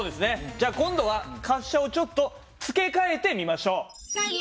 じゃあ今度は滑車をちょっと付け替えてみましょう。